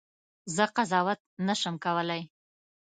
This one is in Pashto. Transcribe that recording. زه قضاوت نه سم کولای.